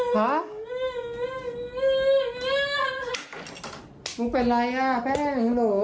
หัวฟาดพื้น